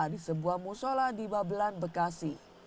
di sebuah musola di babelan bekasi